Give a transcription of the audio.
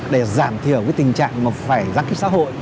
để giảm thiểu cái tình trạng mà phải giãn kích xã hội